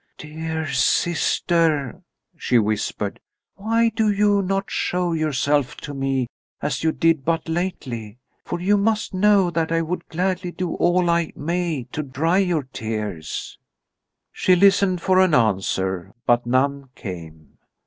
"Dear sister," she whispered, "why do you not show yourself to me, as you did but lately? For you must know that I would gladly do all I may to dry your tears." She listened for an answer, but none came.